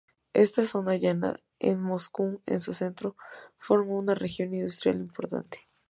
Esta zona llana, con Moscú en su centro, forma una región industrial importante.